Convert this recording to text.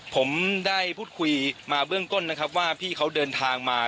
ผมได้พูดคุยมาเบื้องต้นนะครับว่าพี่เขาเดินทางมา